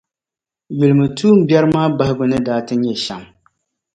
Yulimi tuumbiɛrinima bahigu ni daa ti nyɛ shɛm.